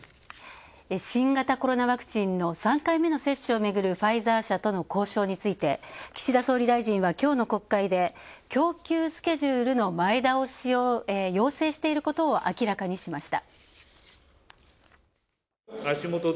新型コロナワクチンの３回目の接種をめぐるファイザー社との交渉について、岸田総理大臣はきょうの国会で供給スケジュールの前倒しを要請していることを明らかにしました。